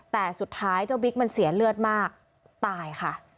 แต่สุดท้ายเจ้าบิ๊กมันเสียเลือดมากตายค่ะ